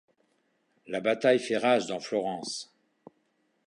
La bataille fait rage dans Florence.